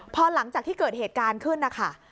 พอหลังจากที่เกิดเหตุการณ์ขึ้นนะคะ